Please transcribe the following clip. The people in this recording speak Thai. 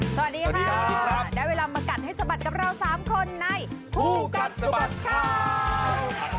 สวัสดีค่ะได้เวลามากัดให้สะบัดกับเรา๓คนในคู่กัดสะบัดข่าว